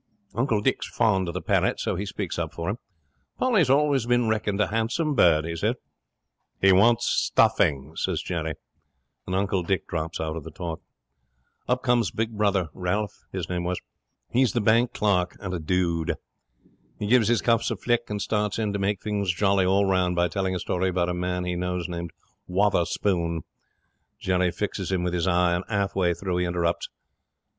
'Uncle Dick's fond of the parrot, so he speaks up for him. "Polly's always been reckoned a handsome bird," he says. '"He wants stuffing," says Jerry. 'And Uncle Dick drops out of the talk. 'Up comes big brother, Ralph his name was. He's the bank clerk and a dude. He gives his cuffs a flick, and starts in to make things jolly all round by telling a story about a man he knows named Wotherspoon. Jerry fixes him with his eye, and, half way through, interrupts.